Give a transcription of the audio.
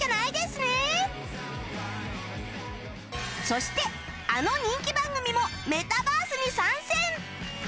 そしてあの人気番組もメタバースに参戦！